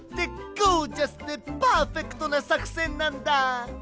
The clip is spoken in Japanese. ゴージャスでパーフェクトなさくせんなんだ！